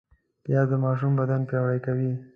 پیاز د ماشوم بدن پیاوړی کوي